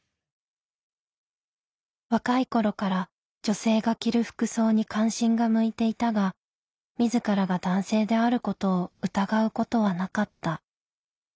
若い頃から女性が着る服装に関心が向いていたが自らが男性であることを疑うことはなかった。